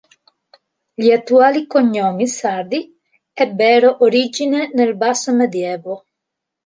Gli attuali cognomi sardi ebbero origine nel basso medioevo.